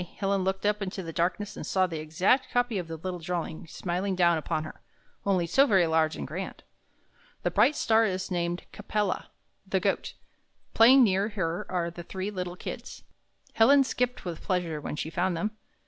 Helen looked up into the darkness and saw the exact copy of the little di'awing smiling down upon her — only so very large and grand. "The bright star is named Ca pel' la, the Goat. Playing near her are the three little Kids." Helen skipped with pleasure when she found them.